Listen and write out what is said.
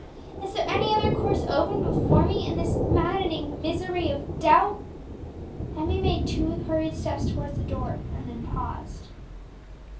Is there any other course open before me in this maddening misery of doubt?" Emmie made two hurried steps towards the door, and then paused.